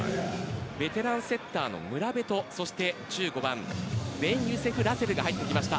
ベテランセッターのムラベトと１５番、ベンユセフラセルが入りました。